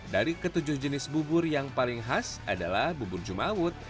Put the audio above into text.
dari ketujuh jenis bubur yang paling khas adalah bubur jumawut